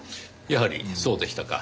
やはりそうでしたか。